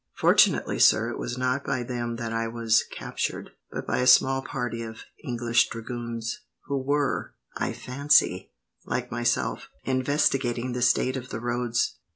"Fortunately, sir, it was not by them that I was captured, but by a small party of English dragoons, who were, I fancy, like myself, investigating the state of the roads."